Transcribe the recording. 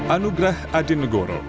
anugerah adi negoro